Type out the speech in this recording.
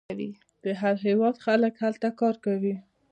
د هر هیواد خلک هلته کار کوي.